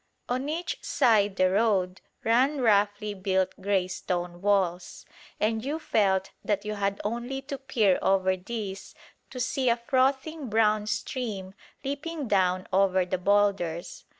On each side the road ran roughly built grey stone walls, and you felt that you had only to peer over these to see a frothing brown stream leaping down over the boulders.